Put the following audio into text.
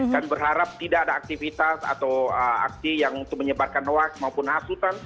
dan berharap tidak ada aktivitas atau aksi yang menyebarkan hoax maupun hasutan